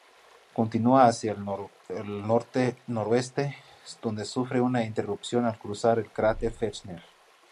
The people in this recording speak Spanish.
Continúa hacia el norte-noroeste, donde sufre una interrupción al cruzar el cráter Fechner.